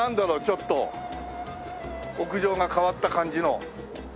ちょっと屋上が変わった感じの。